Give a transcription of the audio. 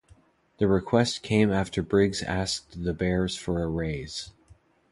The request came after Briggs asked the Bears for a raise.